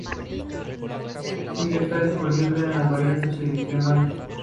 G Suite está disponible en varias ediciones.